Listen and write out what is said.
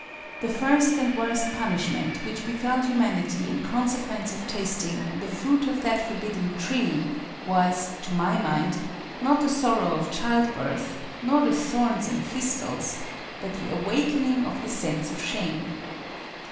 The first and worst punishment which befell humanity in consequence of tasting "the fruit of that forbidden tree" was, to my mind, not the sorrow of childbirth, nor the thorns and thistles, but the awakening of the sense of shame.